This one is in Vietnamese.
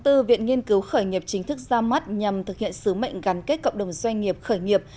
thư viện nghiên cứu khởi nghiệp chính thức ra mắt nhằm thực hiện sứ mệnh gắn kết cộng đồng doanh nghiệp khởi nghiệp